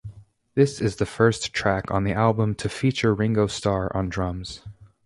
This is the first track on the album to feature Ringo Starr on drums.